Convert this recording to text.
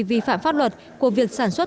vi phạm pháp luật của việc sản xuất